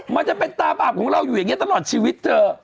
มันจะเป็นตาบาปของเราอยู่อย่างนี้ตลอดชีวิตเธอ